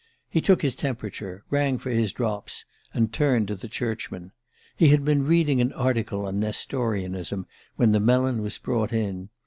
He took his temperature, rang for his drops, and turned to the Churchman. He had been reading an article on Nestorianism when the melon was brought in.